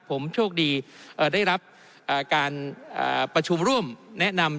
ผมโชคดีได้รับการประชุมร่วมแนะนำ